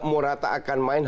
morata akan main